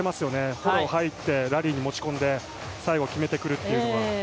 フォローに入ってラリーに持ち込んで最後決めてくるというのが。